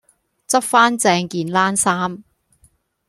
執番正件冷衫